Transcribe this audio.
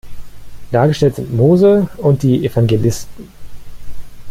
Dargestellt sind Mose und die Evangelisten.